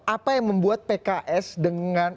apa yang membuat pks dengan